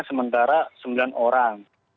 jumlahnya sementara sembilan orang